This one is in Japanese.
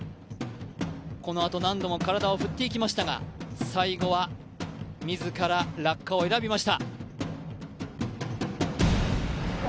このあと、何度も体を振っていきましたが、最後は自ら落下を選びました。